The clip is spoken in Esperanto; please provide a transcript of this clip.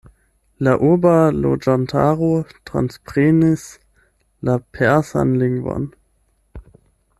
La urba loĝantaro transprenis la persan lingvon.